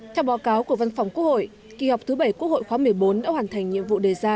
theo báo cáo của văn phòng quốc hội kỳ họp thứ bảy quốc hội khóa một mươi bốn đã hoàn thành nhiệm vụ đề ra